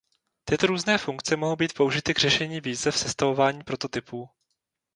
Tyto různé funkce mohou být použity k řešení výzev sestavování prototypů.